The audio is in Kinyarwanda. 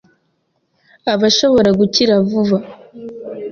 aba ashobora gukira vuba,